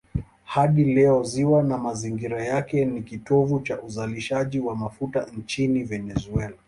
Hadi leo ziwa na mazingira yake ni kitovu cha uzalishaji wa mafuta nchini Venezuela.